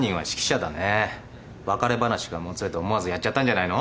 別れ話がもつれて思わずやっちゃったんじゃないの？